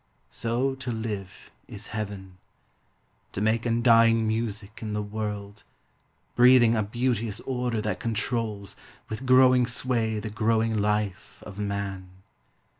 So to live is heaven : To make undying music in the world, IV — 16 243 THE HIGHER LIFE. Breathing a beauteous order that controls With growing sway the growing life of man.